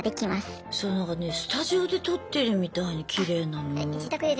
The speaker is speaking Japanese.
そうなんかねスタジオで撮ってるみたいにきれいなのよ。